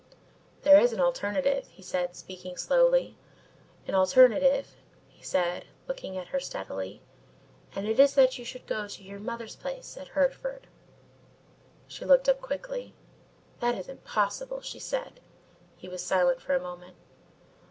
"There is an alternative," he said, speaking slowly, "an alternative," he said looking at her steadily, "and it is that you should go to your mother's place at Hertford." She looked up quickly. "That is impossible," she said. He was silent for a moment.